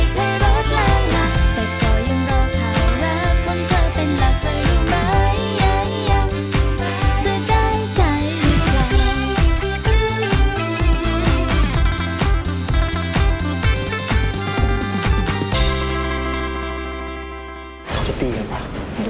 ก็ไปสิเนี่ย